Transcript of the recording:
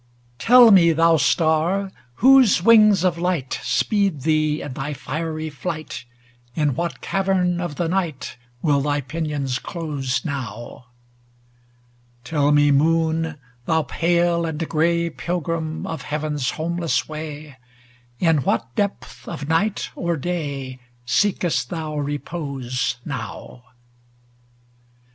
Tell me, thou star, whose wings of light tSpeed thee in thy fiery flight, In what cavern of the night Will thy pinions close now ? II Tell me, moon, thou pale and gray Pilgrim of heaven's homeless way, In what depth of night or day Seekest thou repose now ?